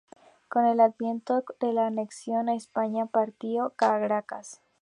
Con el advenimiento de la anexión a España, partió a Caracas.